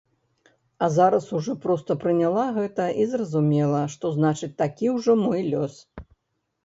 А зараз ужо проста прыняла гэта і зразумела, што, значыць, такі ўжо мой лёс.